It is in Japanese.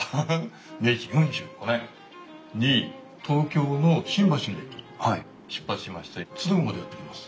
明治４５年に東京の新橋の駅出発しまして敦賀までやって来ます。